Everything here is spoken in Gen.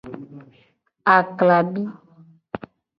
Aklabi.